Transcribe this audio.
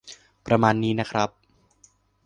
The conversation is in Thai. ประมาณนี้นะครับ